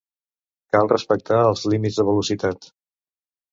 Cal respectar els límits de velocitat.